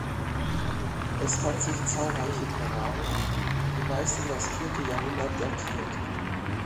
Es fand sich zahlreiche Keramik, die meist in das vierte Jahrhundert datiert.